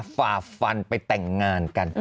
ฝ่าฟันไปแต่งงานกัน